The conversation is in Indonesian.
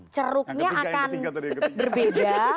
ceruknya akan berbeda